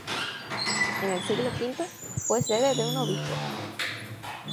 En el siglo V fue sede de un obispo.